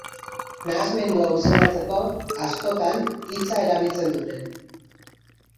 Nahasmendu hau izendatzeko, askotan, hitza erabiltzen dute.